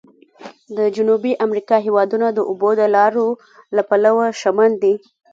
د جنوبي امریکا هېوادونه د اوبو د لارو له پلوه شمن دي.